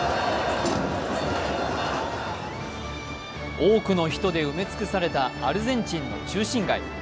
多くの人で埋め尽くされたアルゼンチンの中心街。